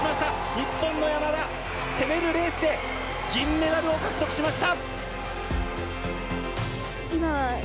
日本の山田、攻めるレースで銀メダルを獲得しました。